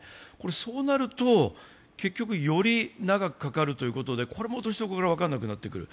そうなると、結局、より長くかかるということで、これも落としどころが分からなくなってくる。